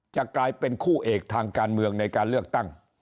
จะกลายเป็นคู่เอกทางการเมืองในการเลือกตั้ง